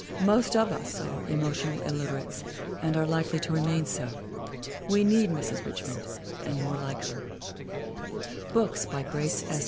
Most of us are emotional illiterates and are likely to remain so. We need Mrs. Richmond and more like her. GRACE S. RICHMOND 253 BOOKS BY GRACE S.